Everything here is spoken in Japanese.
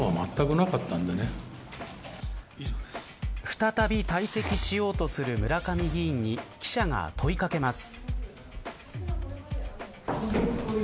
再び退席しようとする村上議員に記者が問い掛けます。